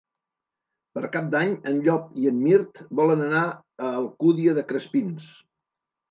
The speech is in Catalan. Per Cap d'Any en Llop i en Mirt volen anar a l'Alcúdia de Crespins.